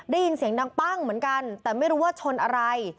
ได้ยินเสียงดังปั้งเหมือนกันแต่ไม่รู้ว่าชนอะไร